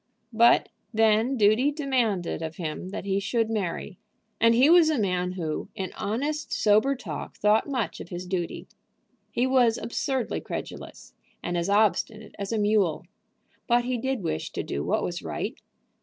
But then duty demanded of him that he should marry, and he was a man who, in honest, sober talk, thought much of his duty. He was absurdly credulous, and as obstinate as a mule. But he did wish to do what was right.